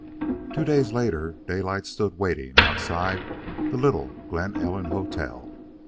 Two days later, Daylight stood waiting outside the little Glen Ellen hotel.